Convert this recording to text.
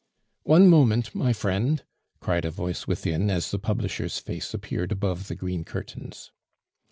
"One moment, my friend," cried a voice within as the publisher's face appeared above the green curtains.